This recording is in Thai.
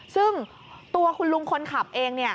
ซึ่งตัวคุณลุงคนขับเอง